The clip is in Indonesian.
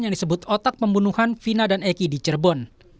yang disebut otak pembunuhan vina dan eki di cirebon